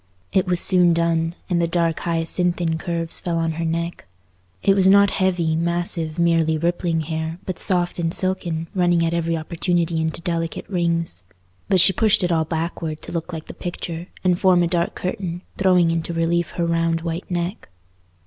It was soon done, and the dark hyacinthine curves fell on her neck. It was not heavy, massive, merely rippling hair, but soft and silken, running at every opportunity into delicate rings. But she pushed it all backward to look like the picture, and form a dark curtain, throwing into relief her round white neck.